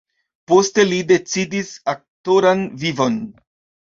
Poste li decidis aktoran vivon.